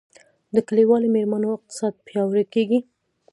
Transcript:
د کلیوالي میرمنو اقتصاد پیاوړی کیږي